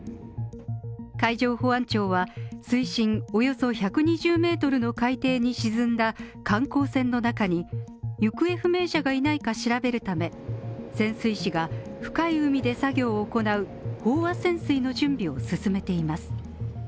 海上保安庁は水深およそ１２０ｍの海底に沈んだ観光船の中に行方不明者がいないか調べるため潜水士が深い海で作業を行う飽和潜水の準備を進めています。